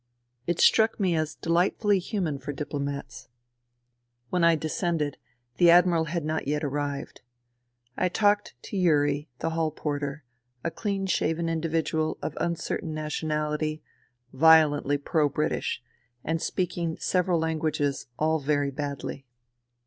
It struck me as delightfully human for diplomats. When I descended, the Admiral had not yet arrived. I talked to Yuri, the hall porter, a clean shaven individual of uncertain nationality, violently pro British, and speaking several languages all very badly.